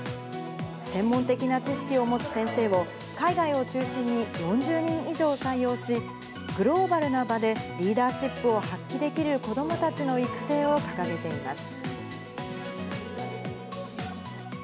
専門的な知識を持つ先生を、海外を中心に４０人以上採用し、グローバルな場でリーダーシップを発揮できる子どもたちの育成を掲げています。